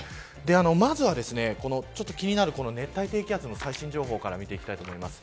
まずは気になる熱帯低気圧の最新情報から見ていきたいと思います。